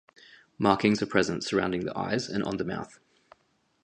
Markings are present surrounding the eyes and on the mouth.